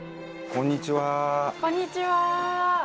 こんにちは。